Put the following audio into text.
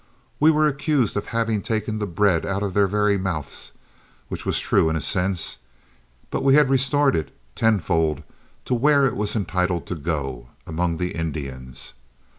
We were accused of having taken the bread out of their very mouths, which was true in a sense, but we had restored it tenfold where it was entitled to go, among the Indians.